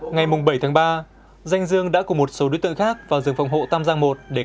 ngày bảy tháng ba danh dương đã cùng một số đối tượng khác vào rừng phòng hộ tam giang i để